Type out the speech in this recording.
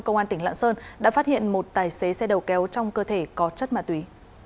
công an tỉnh lạng sơn đã phát hiện một tài xế xe đầu kéo trong cơ thể có chất ma túy